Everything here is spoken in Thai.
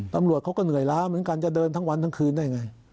ตำรวจเขาก็เหนื่อยล้าเหมือนกันจะเดินทั้งวันทั้งคืนได้ไง